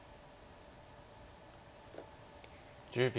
１０秒。